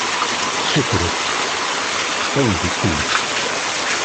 Sutret, ad wen-d-ittunefk.